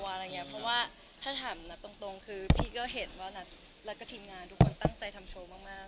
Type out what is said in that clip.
เพราะว่าถ้าถามนัทตรงคือนัทก็เห็นเและทีมงานที่ตั้งใจทำโชคมาก